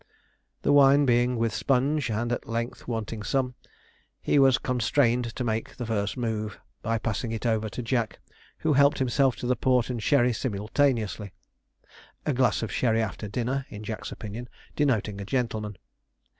The wine being with Sponge, and at length wanting some, he was constrained to make the first move, by passing it over to Jack, who helped himself to port and sherry simultaneously a glass of sherry after dinner (in Jack's opinion) denoting a gentleman.